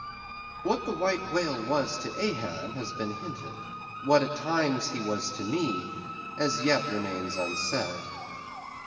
What the white whale was to Ahab, has been hinted; what, at times, he was to me, as yet remains unsaid.